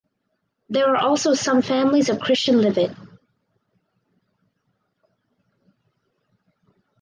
There are also some families of Christian living.